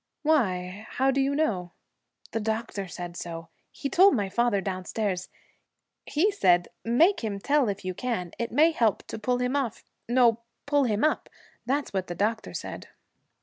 'Why? How do you know?' 'The doctor said so. He told my father downstairs. He said, "Make him tell, if you can, it may help to pull him off" no, "pull him up." That's what the doctor said.'